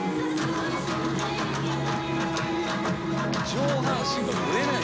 上半身がブレない